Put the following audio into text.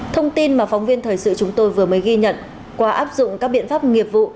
thông tin mà phóng viên thời sự chúng tôi vừa mới ghi nhận qua áp dụng các biện pháp nghiệp vụ